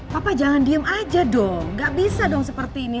papa jangan diem aja dong gak bisa dong seperti ini